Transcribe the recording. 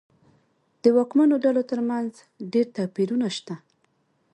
د واکمنو ډلو ترمنځ ډېر توپیرونه شته.